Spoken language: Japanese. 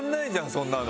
そんなの。